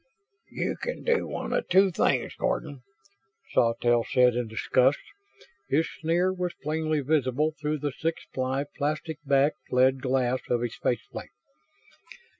"You can do one of two things, Gordon," Sawtelle said in disgust. His sneer was plainly visible through the six ply, plastic backed lead glass of his face plate.